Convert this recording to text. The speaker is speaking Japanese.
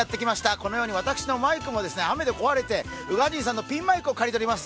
このように私のマイクも雨で壊れて、宇賀神さんのピンマイクを借りております。